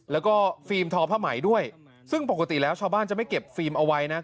แล้วก็ฟิล์มทอผ้าไหมด้วยซึ่งปกติแล้วชาวบ้านจะไม่เก็บฟิล์มเอาไว้นะ